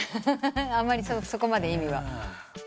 あまりそこまで意味は？